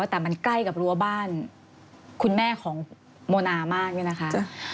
แต่มันใกล้กับรั้วบ้านคุณแม่ของโมนามากเนี่ยนะคะ